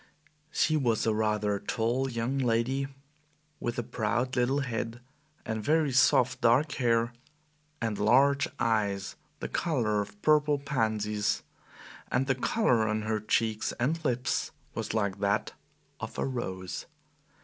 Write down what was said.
She was a rather tall young lady with a proud little head, and very soft dark hair, and large eyes the color of purple pansies, and the color on her cheeks and lips was like that of a rose.